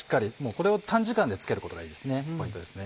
これを短時間でつけることがいいですねポイントですね。